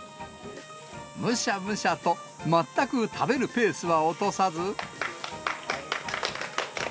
むしゃむしゃと、全く食べるペースは落とさず。